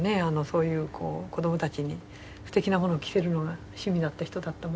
そういう子供たちにすてきなものを着せるのが趣味だった人だったものですから。